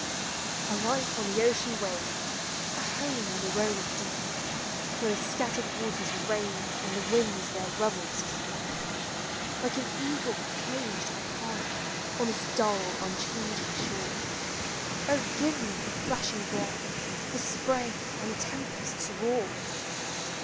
A life on the ocean wave, A home on the rolling deep ; Where the scattered waters rave, And the winds their revels keep! Like an eagle caged 1 pine On this dull, unchanging shore: no POEMS OF NATURE. O, give me the flashing brine, The spray and the tempest's roar!